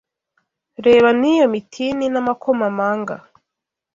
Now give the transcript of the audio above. Reba n’iyo mitini n’amakomamanga